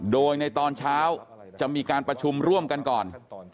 โดยในตอนเช้าจะมีการประชุมร่วมกันก่อน